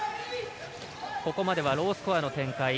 ここまではロースコアの展開。